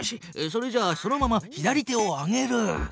それじゃあそのまま左手を上げる。